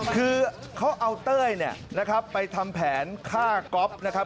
คือเขาเอาเต้ยเนี่ยนะครับไปทำแผนฆ่าก๊อฟนะครับ